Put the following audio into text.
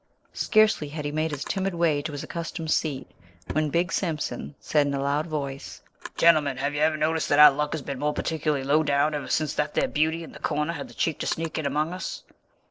Scarcely had he made his timid way to his accustomed seat when Big Simpson said in a loud voice: "Gentlemen, have you noticed that our luck has been more particularly low down ever since that there beauty in the corner had the cheek to sneak in among us?"